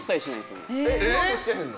今もしてへんの？